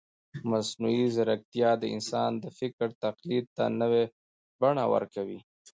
مصنوعي ځیرکتیا د انسان د فکر تقلید ته نوې بڼه ورکوي.